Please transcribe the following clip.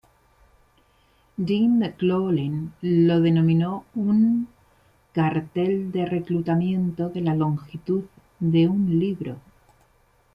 Dean McLaughlin lo denominó un "cartel de reclutamiento de la longitud de un libro.